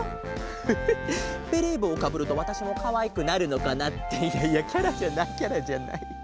フフベレーぼうをかぶるとわたしもかわいくなるのかな。っていやいやキャラじゃないキャラじゃない。